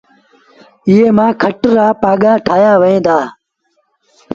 ايئي مآݩ کٽ رآ پآڳآ ٺآهيآ وهيݩ دآ۔